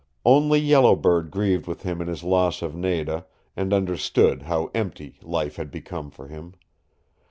Only Yellow Bird grieved with him in his loss of Nada, and understood how empty life had become for him.